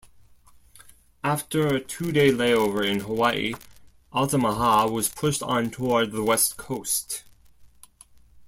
After a two-day layover in Hawaii, "Altamaha" pushed on toward the West Coast.